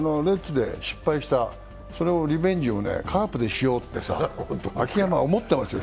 恐らくレッズで失敗した、それをリベンジでカープでしようと秋山は思ってますよ。